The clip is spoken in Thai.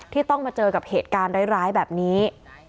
ที่ต้องมาเจอกับเหตุการณ์ร้ายแบบนี้